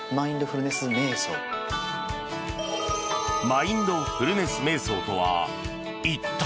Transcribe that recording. マインドフルネスめい想とは一体？